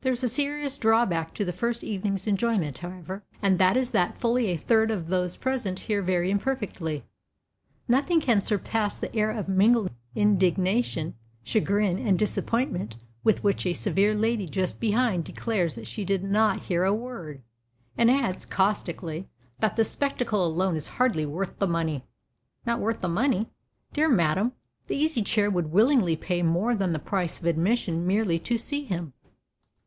There is a serious drawback to this first evening's enjoyment, however, and that is that fully a third of those present hear very imperfectly. Nothing can surpass the air of mingled indignation, chagrin, and disappointment with which a severe lady just behind declares that she did not hear a word, and adds, caustically, that the spectacle alone is hardly worth the money. Not worth the money? Dear Madam, the Easy Chair would willingly pay more than the price of admission merely to see him.